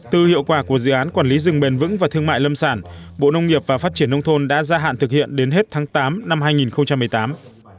từ hiệu quả của dự án quản lý rừng bền vững và thương mại lâm sản bộ nông nghiệp và phát triển nông thôn đã gia hạn thực hiện đến hết tháng tám năm hai nghìn một mươi tám